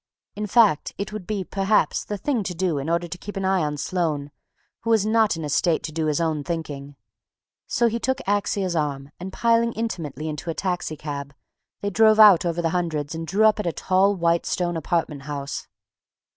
In fact, it would be, perhaps, the thing to do in order to keep an eye on Sloane, who was not in a state to do his own thinking. So he took Axia's arm and, piling intimately into a taxicab, they drove out over the hundreds and drew up at a tall, white stone apartment house.